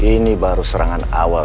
ini baru serangan awal